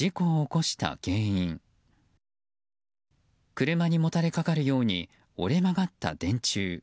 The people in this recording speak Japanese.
車にもたれかかるように折れ曲がった電柱。